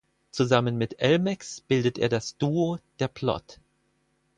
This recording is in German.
Zusammen mit Elmäx bildet er das Duo Der Plot.